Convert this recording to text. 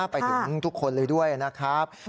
ไปถึงทุกคนเลยด้วยนะครับ